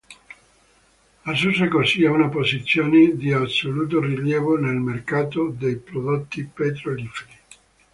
Assurse così a una posizione di assoluto rilievo nel mercato dei prodotti petroliferi.